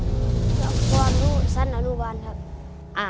ความรู้สั้นอนุบาลครับ